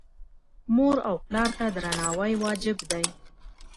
مور او پلار ته درناوی واجب دی